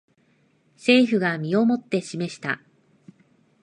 政府が身をもって示した